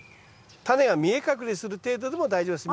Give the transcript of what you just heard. タネが見え隠れする程度でも大丈夫です。